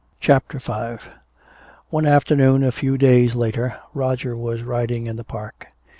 CHAPTER V One afternoon a few days later Roger was riding in the park.